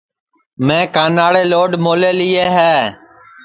میں کاناڑے لوڈ مولے لِیئے ہے